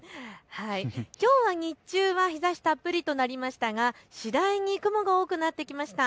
きょうは日中、日ざしたっぷりとなりましたが次第に雲が多くなってきました。